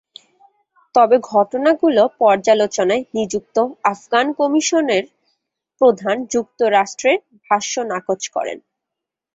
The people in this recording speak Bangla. তবে ঘটনাগুলো পর্যালোচনায় নিযুক্ত আফগান কমিশনের প্রধান যুক্তরাষ্ট্রের ভাষ্য নাকচ করেন।